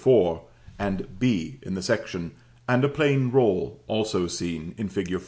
4, and b in the section, and a plain roll, also seen in fig.